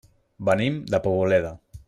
Venim de Poboleda.